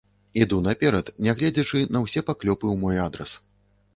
Іду наперад, нягледзячы на ўсе паклёпы ў мой адрас!